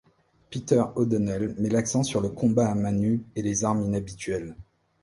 Peter O'Donnell met l'accent sur le combat à mains nues et les armes inhabituelles.